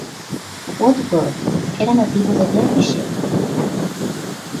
Woodward era nativo de Derbyshire.